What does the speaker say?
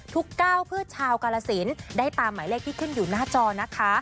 ก้าวเพื่อชาวกาลสินได้ตามหมายเลขที่ขึ้นอยู่หน้าจอนะคะ